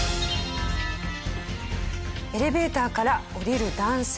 エレベーターから降りる男性。